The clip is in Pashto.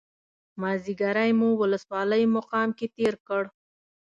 مازیګری مو ولسوالۍ مقام کې تېر کړ.